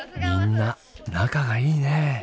みんな仲がいいねえ。